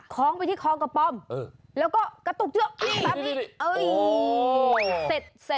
ค้องไปที่ค้องกระป้อมแล้วก็กระตุกเชือกแปบนี้